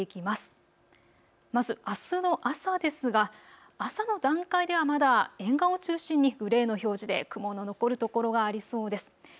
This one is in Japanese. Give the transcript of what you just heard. まず、あすの朝ですが朝の段階ではまだ沿岸を中心にグレーの表示で雲の残る所がありそうです。